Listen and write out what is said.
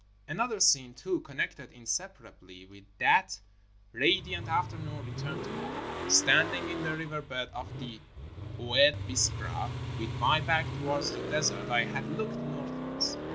Another scene, too, connected inseparably with that 342 THE HOUR OF PRAYER IN THE DESERT radiant afternoon returned to me. Standing in the river bed of the Oued Biskra with my back towards the des ert I had looked northwards.